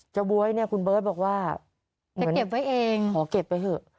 เจ้าบ๊วยเนี้ยคุณเบิร์ดบอกว่าเหมือนจะเก็บไว้เองขอเก็บไว้เถอะ